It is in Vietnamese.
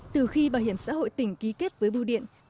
từ khi bảo hiểm xã hội tỉnh ký kết với bưu điện